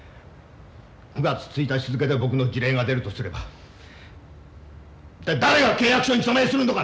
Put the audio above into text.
９月１日付けで僕の辞令が出るとすれば誰が契約書に署名するのかね。